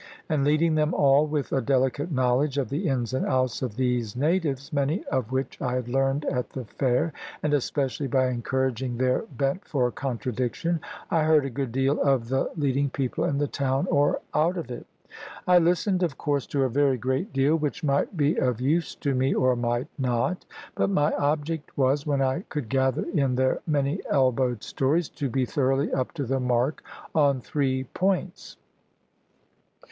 And leading them all with a delicate knowledge of the ins and outs of these natives (many of which I had learned at the fair), and especially by encouraging their bent for contradiction, I heard a good deal of the leading people in the town or out of it. I listened, of course, to a very great deal, which might be of use to me or might not; but my object was, when I could gather in their many elbowed stories, to be thoroughly up to the mark on three points.